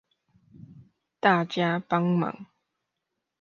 大家幫忙